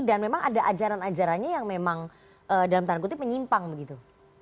dan memang ada ajaran ajarannya yang memang dalam tanggung jawabnya penyimpang begitu